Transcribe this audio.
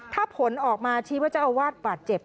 ถ้าผลออกมาชี้ว่าเจ้าอาวาสบาดเจ็บ